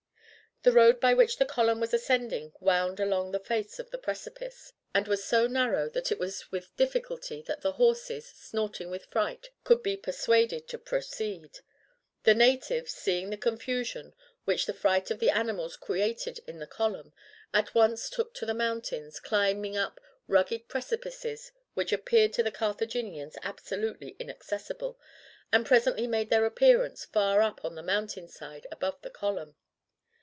The road by which the column was ascending wound along the face of a precipice, and was so narrow that it was with difficulty that the horses, snorting with fright, could be persuaded to proceed. The natives, seeing the confusion which the fright of the animals created in the column, at once took to the mountains, climbing up rugged precipices which appeared to the Carthaginians absolutely inaccessible, and presently made their appearance far up on the mountain side above the column.